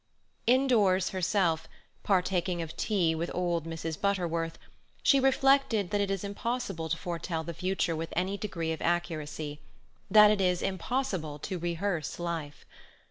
Indoors herself, partaking of tea with old Mrs. Butterworth, she reflected that it is impossible to foretell the future with any degree of accuracy, that it is impossible to rehearse life.